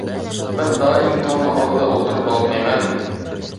مەن دائىم تورنىڭ ئالىدا ئولتۇرۇپ بولالمايمەن.